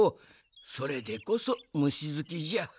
それでこそむしずきじゃ。